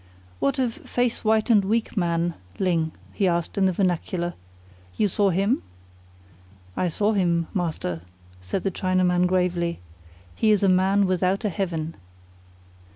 "What of Face White and Weak Man, Ling?" he asked in the vernacular. "You saw him?" "I saw him, master," said the Chinaman gravely. "He is a man without a heaven."